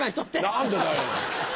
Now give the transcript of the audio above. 何でだよ！